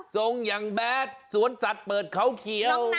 ส่งอย่างแบสสวนสัตว์เปิดเขาเขียว